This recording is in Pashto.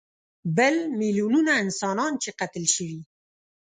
بل میلیونونه انسانان چې قتل شوي.